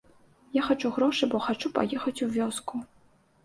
Я хачу грошы, бо хачу паехаць у вёску.